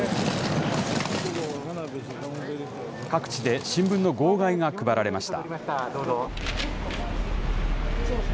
各地で新聞の号外が配られました。